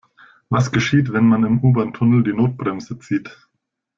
Was geschieht, wenn man im U-Bahntunnel die Notbremse zieht?